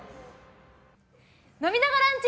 飲みながランチ！